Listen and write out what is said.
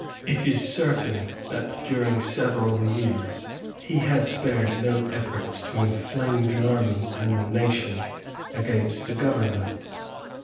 It is certain that during several years he had spared no efforts to inflame the army and the nation against the government.